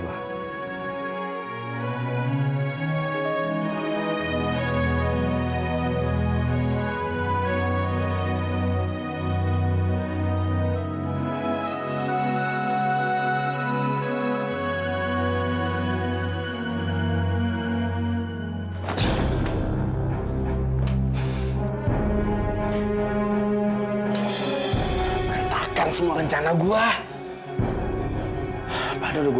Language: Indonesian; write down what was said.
kami sangat berterima kasih kepada kamu